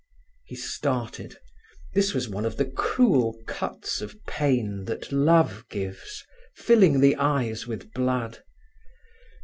He started. This was one of the cruel cuts of pain that love gives, filling the eyes with blood.